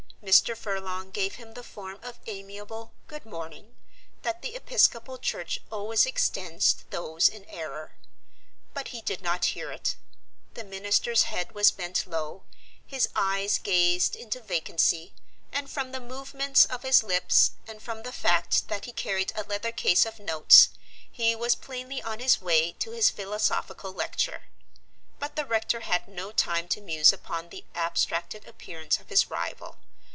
Mr. Furlong gave him the form of amiable "good morning" that the episcopal church always extends to those in error. But he did not hear it. The minister's head was bent low, his eyes gazed into vacancy, and from the movements of his lips and from the fact that he carried a leather case of notes, he was plainly on his way to his philosophical lecture. But the rector had no time to muse upon the abstracted appearance of his rival.